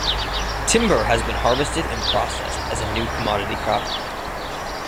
Timber has been harvested and processed as a new commodity crop.